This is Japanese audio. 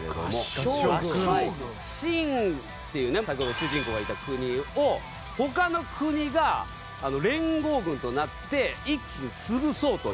信っていう先ほどの主人公がいた国を他の国が連合軍となって一気に潰そうという。